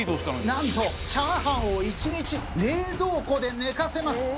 なんとチャーハンを１日冷蔵庫で寝かせます。